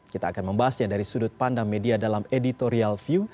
kita akan membahasnya dari sudut pandang media dalam editorial view